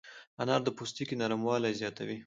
انار د پوستکي نرموالی زیاتوي.